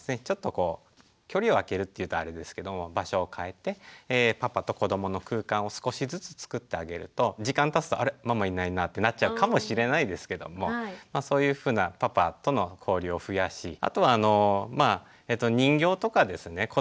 ちょっとこう距離を開けるっていうとあれですけども場所を変えてパパと子どもの空間を少しずつ作ってあげると時間たつとあれママいないなってなっちゃうかもしれないですけどもそういうふうなパパとの交流を増やしあとはあのまあ人形とかですね